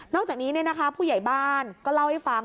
อกจากนี้ผู้ใหญ่บ้านก็เล่าให้ฟัง